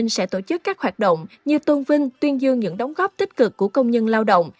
sẽ tổ chức các hoạt động như tôn vinh tuyên dương những đóng góp tích cực của công nhân lao động